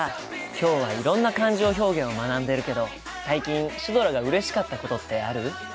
今日はいろんな感情表現を学んでいるけど最近シュドラがうれしかったことってある？